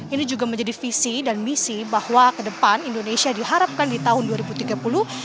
ini juga menjadi visi dan misi bahwa ke depan indonesia diharapkan di tahun dua ribu tiga puluh bisa memeratakan air bersih secara merata dan juga sanitasi